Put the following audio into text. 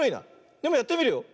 でもやってみるよ。